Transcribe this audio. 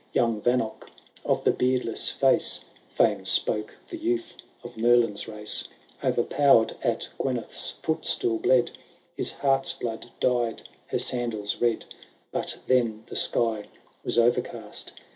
Young Vanoc of the beardless face, (Fame spoke the youth of Merlin^s race,) O^erpowerM at Oyneth^s footstool bled. His heart Vblood dyed her sandals red. But then the sky was overcast.